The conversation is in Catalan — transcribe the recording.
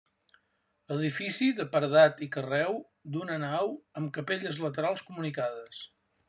Edifici de paredat i carreu, d'una nau amb capelles laterals comunicades.